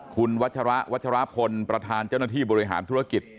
คุณวัชระวัชรพลประธานเจ้าหน้าที่บริหารธุรกิจ